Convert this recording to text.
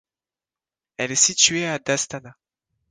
Elle est située à d'Astana.